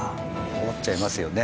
思っちゃいますよね。